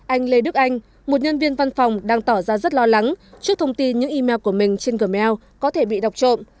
anh lê đức anh một nhân viên văn phòng đang tỏ ra rất lo lắng trước thông tin những email của mình trên gmail có thể bị đọc trộm